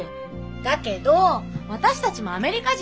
だけど私たちもアメリカ人なのよ。